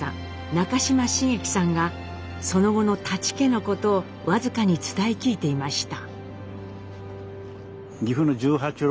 中島繁紀さんがその後の舘家のことを僅かに伝え聞いていました。